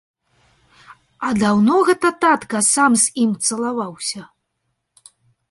А даўно гэта, татка, сам з ім цалаваўся?